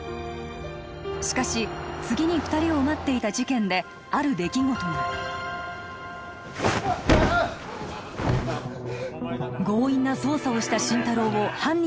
しかし次に二人を待っていた事件である出来事が強引な捜査をした心太朗を犯人